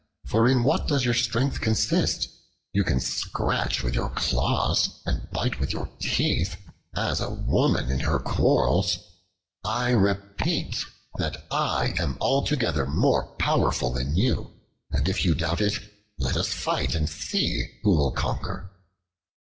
For in what does your strength consist? You can scratch with your claws and bite with your teeth an a woman in her quarrels. I repeat that I am altogether more powerful than you; and if you doubt it, let us fight and see who will conquer."